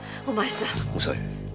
お前さん。